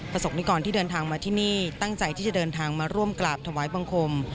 สกนิกรที่เดินทางมาที่นี่ตั้งใจที่จะเดินทางมาร่วมกราบถวายบังคม